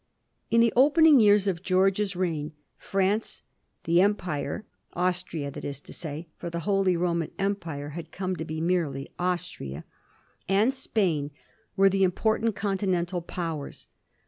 In the opening years of George's reign France, the Empire — ^Austria, that is to say, for the Holy Roman Empire had come to be merely Austria — and Spain were the important Continental Powers.